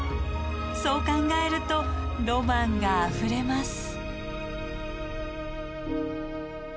そう考えるとロマンがあふれます。